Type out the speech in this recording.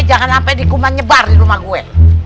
jangan sampai dikumen nyebar di rumah gue